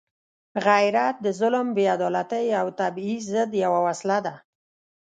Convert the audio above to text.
غیرت د ظلم، بېعدالتۍ او تبعیض ضد یوه وسله ده.